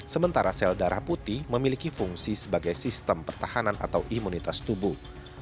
sementara sel darah putih memiliki fungsi sebagai sistem pertahanan atau imunitas tubuh